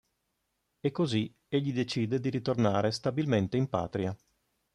E così egli decide di ritornare stabilmente in patria.